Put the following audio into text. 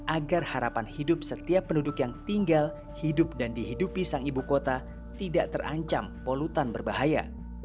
agar harapan hidup setiap penduduk yang tinggal hidup dan dihidupi sang ibu kota tidak terancam polutan berbahaya